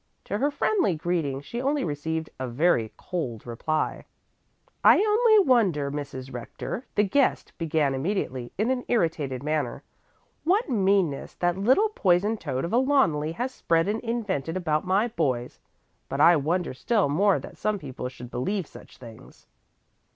To her friendly greeting she only received a very cold reply. "I only wonder, Mrs. Rector," the guest began immediately in an irritated manner, "what meanness that little poison toad of a Loneli has spread and invented about my boys. But I wonder still more that some people should believe such things."